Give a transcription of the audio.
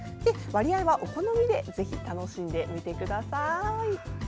割合はお好みでぜひ楽しんでみてください。